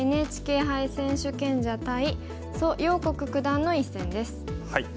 ＮＨＫ杯選手権者対蘇耀国九段の一戦です。